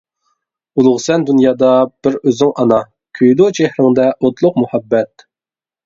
ئۇلۇغسەن دۇنيادا بىر ئۆزۈڭ ئانا، كۆيىدۇ چېھرىڭدە ئوتلۇق مۇھەببەت.